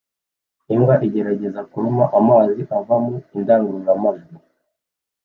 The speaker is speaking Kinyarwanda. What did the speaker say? Imbwa igerageza kuruma amazi ava muri indangurura majwi